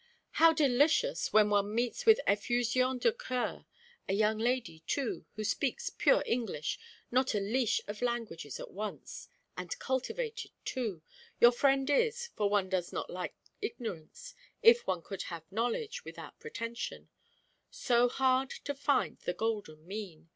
How delicious when one meets with effusion de coeur: a young lady, too, who speaks pure English, not a leash of languages at once; and cultivated, too, your friend is, for one does not like ignorance, if one could have knowledge without pretension so hard to find the golden mean!